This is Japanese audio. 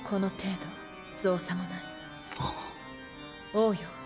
王よ